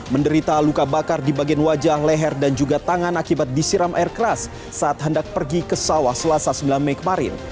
menderita luka bakar di bagian wajah leher dan juga tangan akibat disiram air keras saat hendak pergi ke sawah selasa sembilan mei kemarin